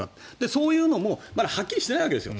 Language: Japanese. そういうのもまだはっきりしてないわけですよ。